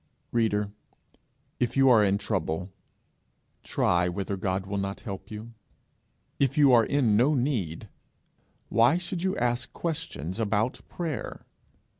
Reader, if you are in any trouble, try whether God will not help you; if you are in no need, why should you ask questions about prayer?